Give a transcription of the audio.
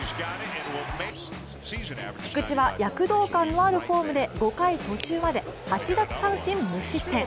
菊池は躍動感のあるフォームで５回途中まで８奪三振無失点。